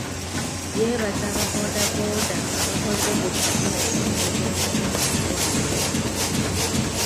Yeebaza aba boodabooda abaakoze buli kimu okuddusa Gen. Katumba mu ddwaliro.